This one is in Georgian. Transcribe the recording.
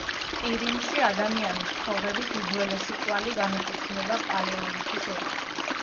ყირიმში ადამიანის ცხოვრების უძველესი კვალი განეკუთვნება პალეოლითის ეპოქას.